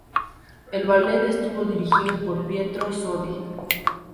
El ballet estuvo dirigido por Pietro Sodi.